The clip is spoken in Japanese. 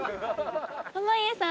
濱家さん